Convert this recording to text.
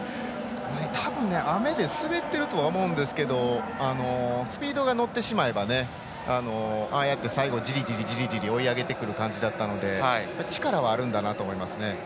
多分、雨で滑っていると思うんですけどスピードに乗ってしまえばああやって最後、じりじり追い上げてくる形なので力はあるんだなと思いますね。